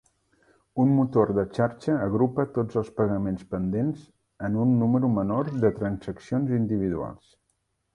Un motor de xarxa agrupa tots els pagaments pendents en un número menor de transaccions individuals.